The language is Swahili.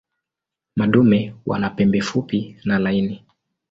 Madume wana pembe fupi na laini.